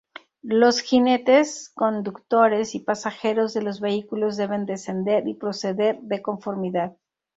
Los jinetes, conductores y pasajeros de los vehículos deben descender y proceder de conformidad.